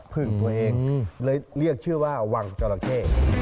พึ่งตัวเองเลยเรียกชื่อว่าวังจราเข้